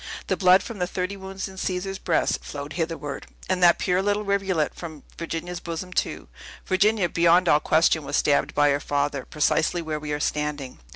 The blood from the thirty wounds in Caesar's breast flowed hitherward, and that pure little rivulet from Virginia's bosom, too! Virginia, beyond all question, was stabbed by her father, precisely where we are standing."